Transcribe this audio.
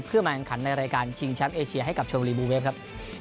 เพื่อมาแข่งขันในรายการชิงแชมป์เอเชียให้กับชมบุรีบูเวฟครับ